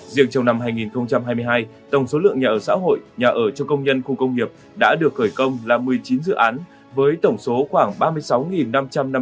riêng trong năm hai nghìn hai mươi hai tổng số lượng nhà ở xã hội nhà ở cho công nhân khu công nghiệp đã được khởi công là một mươi chín dự án với tổng số khoảng ba mươi sáu năm trăm năm mươi